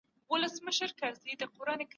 زکات او عشر ورکړئ.